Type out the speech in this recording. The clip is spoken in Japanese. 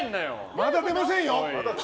まだ出ませんよ！